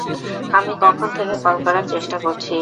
আমি কখন থেকে কল করার চেষ্টা করছি।